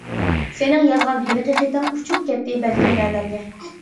سېنىڭ يازغان ھېلىقى خېتىڭ، ئۇچۇپ كەتتى بەلكىم نەلەرگە.